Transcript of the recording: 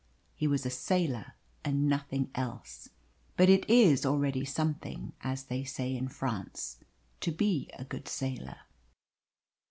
He was a sailor and nothing else. But it is already something as they say in France to be a good sailor.